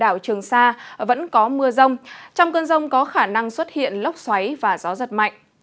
đảo trường sa vẫn có mưa rông trong cơn rông có khả năng xuất hiện lốc xoáy và gió giật mạnh